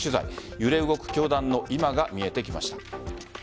揺れ動く教団の今が見えてきました。